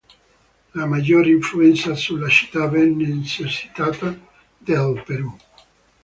La maggiore influenza sulla città venne esercitata da El Perú.